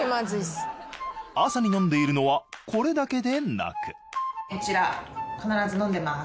朝に飲んでいるのはこれだけでなくこちら必ず飲んでます。